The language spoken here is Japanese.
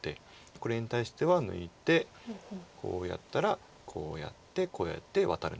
これに対しては抜いてこうやったらこうやってこうやってワタるんです。